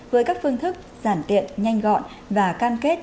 với các phương thức giản tiện nhanh gọn và cam kết